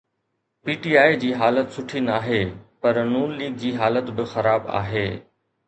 P T I جي حالت سٺي ناهي پر نون ليگ جي حالت به خراب آهي.